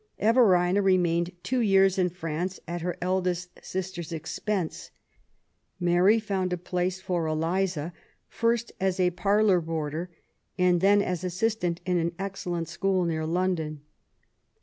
Everina remained two years in France at her eldest sister's expense. Mary found a place for Eliza, first as parlour boarder, and then as assistant, in an excellent school near London.